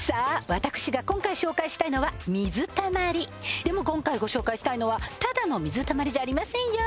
私が今回紹介したいのは水溜まりでも今回ご紹介したいのはただの水溜まりじゃありませんよ